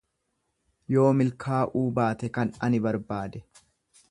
Yoo milkaa'uu baate kan ani barbaade